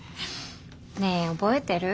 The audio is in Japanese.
ねえ覚えてる？